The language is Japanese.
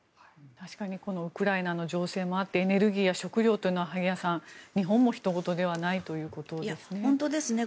確かにウクライナの情勢もあってエネルギーや食糧というのは日本もひと事ではないということですね。